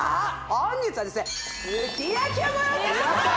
本日はですねすき焼きをご用意いたしました！